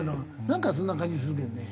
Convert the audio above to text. なんかそんな感じするけどね。